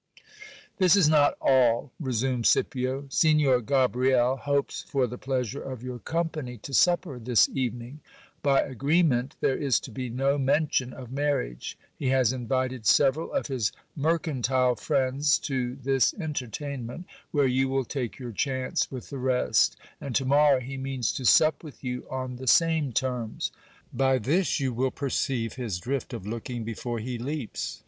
This is not all, resumed Scipio : Signor Gabriel hopes for the pleasure of your company to supper this evening. By agreement, there is to be no men tion of marriage. He has invited several of his mercantile friends to this enter tainment, where you will take your chance with the rest, and to morrow he means to sup with you on the same terms. By this you will perceive his drift of looking before he leaps.